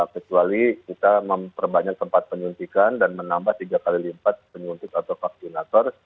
kecuali kita memperbanyak tempat penyuntikan dan menambah tiga kali lipat penyuntik atau vaksinator